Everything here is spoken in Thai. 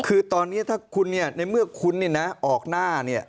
คือตอนนี้ถ้าคุณเนี่ยในเมื่อคุณเนี่ยนะออกหน้าเนี่ย